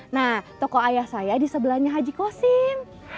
nah toko ayah saya disebelahnya haji kho sim